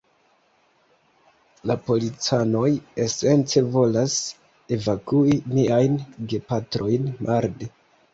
La policanoj esence volas evakui miajn gepatrojn marde.